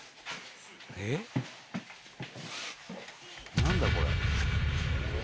・何だこれ。